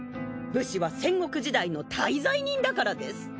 武士は戦国時代の大罪人だからです。